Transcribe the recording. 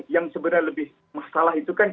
yang sebenarnya lebih masalah itu kan